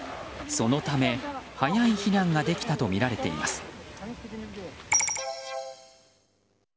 そのため早い避難ができたとみられています。